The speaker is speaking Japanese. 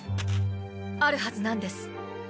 あるはずなんです。